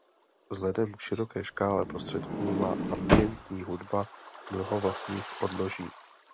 Vzhledem k široké škále prostředků má ambientní hudba mnoho vlastních odnoží.